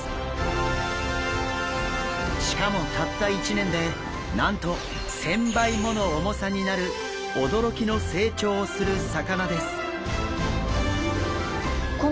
しかもたった１年でなんと１０００倍もの重さになる驚きの成長をする魚です。